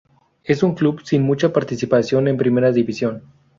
Es un club sin mucha participación en primera división.